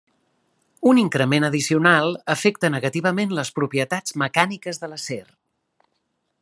Un increment addicional afecta negativament les propietats mecàniques de l'acer.